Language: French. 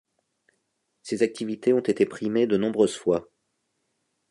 Ces activités ont été primées de nombreuses fois.